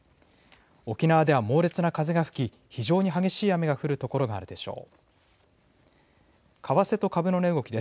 沖縄では猛烈な風が吹き非常に激しい雨が降る所もあるでしょう。